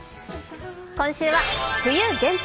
今週は冬限定